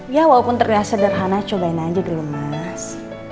ya walaupun terlihat sederhana cobain aja dulu mas